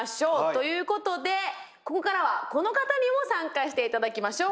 ということでここからはこの方にも参加していただきましょう。